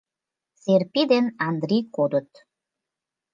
Серпи ден Андри кодыт.